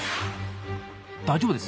大丈夫です？